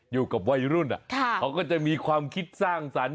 อยู่กับวัยรุ่นเขาก็จะมีความคิดสร้างสรรค์